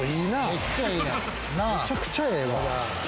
むちゃくちゃええわ。